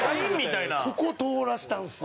ここ通らせたんですよ。